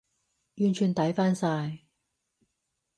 完全抵返晒